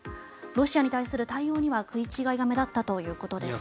ロシアに対する対応には食い違いが目立ったということです。